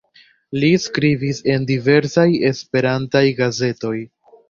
Li skribis en diversaj Esperantaj gazetoj.